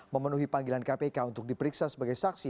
memenuhi panggilan kpk untuk diperiksa sebagai saksi